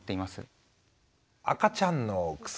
赤ちゃんの薬。